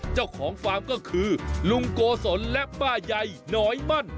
เจ้าของฟาร์มก็คือลุงโกศลและป้าใยน้อยมั่น